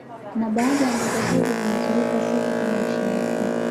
Na baadhi ya mbuga hizo zinazoipa sifa kubwa nchi yetu